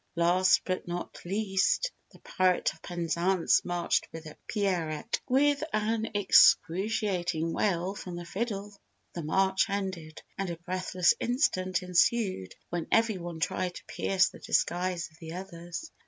Last but not least the Pirate of Penzance marched with a Pierrette. With an excruciating wail from the fiddle, the march ended and a breathless instant ensued when every one tried to pierce the disguise of the others.